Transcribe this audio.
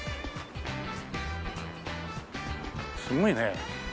すごいね。